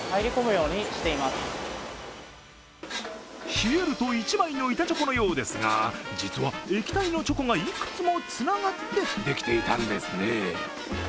冷えると１枚の板チョコのようですが、実は液体のチョコがいくつもつながってできていたんですね。